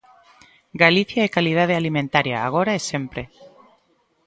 Galicia é calidade alimentaria, agora e sempre.